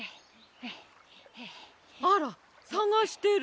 あらさがしてる。